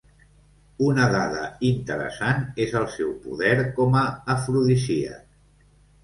Una dada interessant és el seu poder com a afrodisíac.